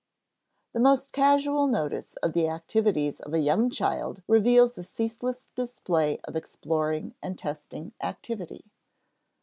" The most casual notice of the activities of a young child reveals a ceaseless display of exploring and testing activity.